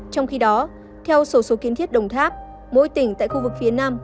trong khi đó theo sổ số kiên thiết đồng tháp mỗi tỉnh tại khu vực phía nam